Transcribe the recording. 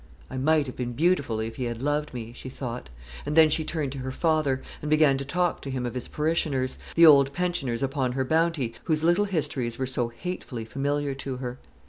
"I might have been beautiful if he had loved me," she thought; and then she turned to her father, and began to talk to him of his parishioners, the old pensioners upon her bounty, whose little histories were so hatefully familiar to her.